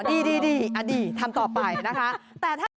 ดีทำต่อไปนะคะ